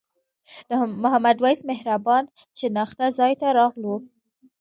د محمد وېس مهربان شناخته ځای ته راغلو.